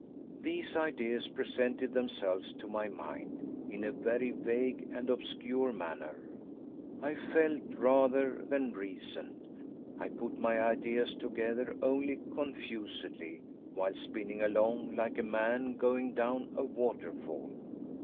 These ideas presented themselves to my mind in a very vague and obscure manner. I felt rather than reasoned. I put my ideas together only confusedly, while spinning along like a man going down a waterfall.